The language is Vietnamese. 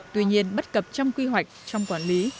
tuy nhiên bất cập trong quy hoạch trong quản lý